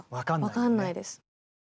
分かんないです。